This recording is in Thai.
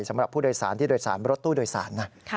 สำหรับผู้โดยสารที่โดยสารรถตู้โดยสารนะ